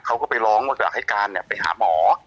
เขาไปร้องรักให้การไปหาหมอ